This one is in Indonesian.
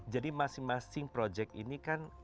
jadi masing masing projek ini kan